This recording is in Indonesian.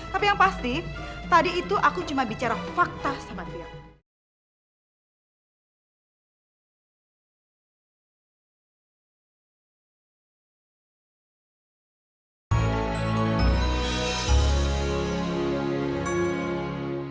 tapi yang pasti tadi itu aku cuma bicara fakta sama dia